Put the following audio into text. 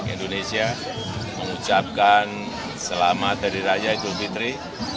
kami mengucapkan selamat dari raya idul fitri